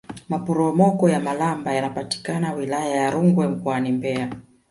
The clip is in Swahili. maporomoko ya malamba yanapatikana wilaya ya rungwe mkoani mbeya